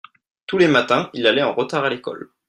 tous les matins il allait en retard à l'école.